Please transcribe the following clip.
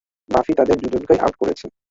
বাফি তাদের দুজনকেই আউট করেছে.